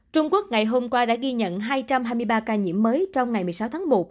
trung quốc ngày hôm qua đã ghi nhận hai trăm hai mươi ba ca nhiễm mới trong ngày một mươi sáu tháng một